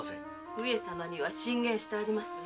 上様には進言してあります。